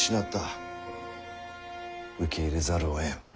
受け入れざるをえん。